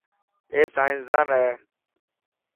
اي سائنسدان هي.